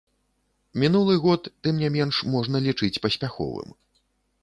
Мінулы год, тым не менш, можна лічыць паспяховым.